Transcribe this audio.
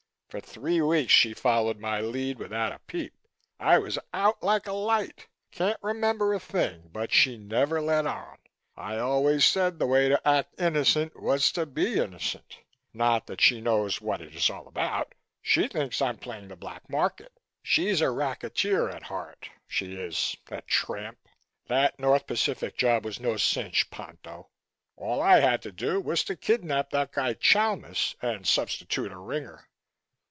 For three weeks she followed my lead without a peep. I was out like a light. Can't remember a thing but she never let on. I always said the way to act innocent was to be innocent. Not that she knows what it is all about. She thinks I'm playing the Black Market. She's a racketeer at heart, she is, the tramp. That North Pacific job was no cinch, Ponto. All I had to do was to kidnap that guy Chalmis and substitute a ringer.